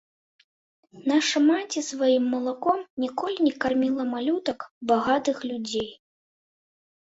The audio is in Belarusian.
Наша маці сваім малаком ніколі не карміла малютак багатых людзей.